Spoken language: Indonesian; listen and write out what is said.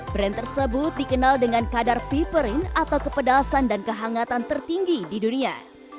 brand tersebut dikenal dengan kadar piperin atau kepedasan dan kehangatan tertinggi di dunia